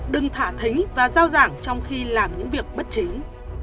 đừng thả thính và giao giảng trong khi làm những việc bất chính